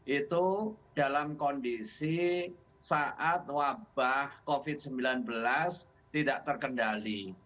itu dalam kondisi saat wabah covid sembilan belas tidak terkendali